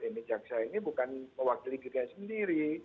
ini jaksa ini bukan mewakili kita sendiri